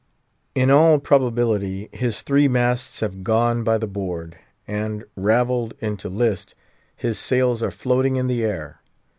In all probability his three masts have gone by the board, and, ravelled into list, his sails are floating in the air.